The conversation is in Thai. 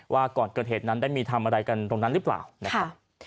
ว่าก่อนเกิดเหตุนั้นได้มีทำอะไรกันตรงนั้นหรือเปล่านะครับ